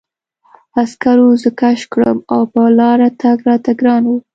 عسکرو زه کش کړم او په لاره تګ راته ګران و